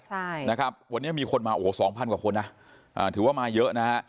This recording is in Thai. ใช่นะครับวันนี้มีคนมาโอ้โหสองพันกว่าคนนะอ่าถือว่ามาเยอะนะฮะ